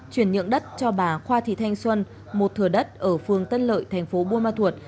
chuyển nhượng đất cho bà khoa thị thanh xuân một thừa đất ở phường tân lợi tp bung ma thuật